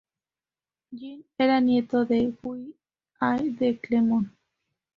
Jean era nieto de Guy I de Clermont.